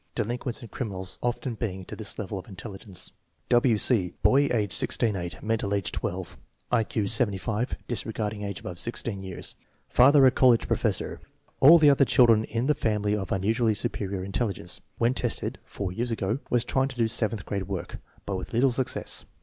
Delinquents and criminals often belong to this level of intelligence. W. C. Boy, age 16 8; mental age 12; I Q 75 (disregarding age above 16 years). Father a college professor. All the other children in the family of unusually superior intelligence. When tested (four years ago) was trying to do seventh grade work, but with little success.